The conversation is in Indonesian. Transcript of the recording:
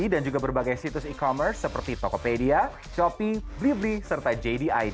dan juga berbagai situs e commerce seperti tokopedia shopee blibli serta jdid